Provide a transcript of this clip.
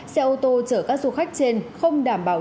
xe ô tô chở các du khách trên không đảm bảo